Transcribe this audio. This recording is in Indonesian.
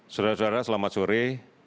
saudara saudara selamat sore